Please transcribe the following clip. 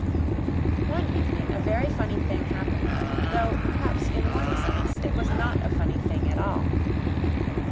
One evening a very funny thing happened though, perhaps, in one sense it was not a funny thing at all.